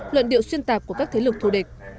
luận điệu xuyên tạc của các thế lực thù địch